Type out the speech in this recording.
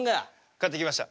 買ってきました。